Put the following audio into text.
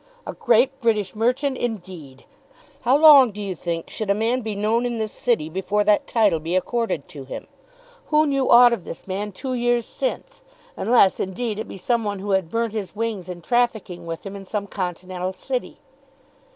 A great British merchant, indeed! How long, do you think, should a man be known in this city before that title be accorded to him? Who knew aught of this man two years since, unless, indeed, it be some one who had burnt his wings in trafficking with him in some continental city?